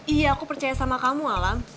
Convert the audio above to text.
iya aku percaya sama kamu alam